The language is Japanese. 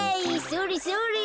それそれ。